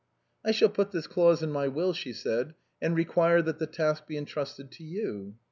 "*'" I shall put this clause in my will,^' she said, " and require that the task be intrusted to you."